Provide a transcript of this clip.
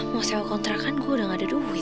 mau sewa kontrakan gue udah gak ada duit